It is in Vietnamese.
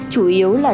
chủ yếu là